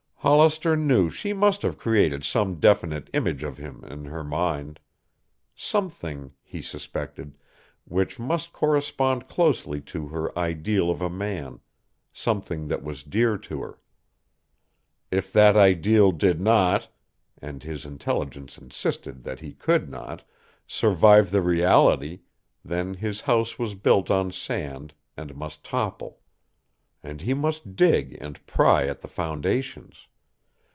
Hollister knew she must have created some definite image of him in her mind; something, he suspected, which must correspond closely to her ideal of a man, something that was dear to her. If that ideal did not and his intelligence insisted that he could not survive the reality, then his house was built on sand and must topple. And he must dig and pry at the foundations.